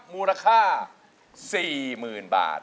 มูลค่า๔๐๐๐บาท